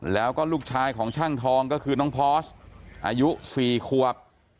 แล้วก็ลูกชายของช่างทองก็คือน้องพอสอายุ๔ขวบ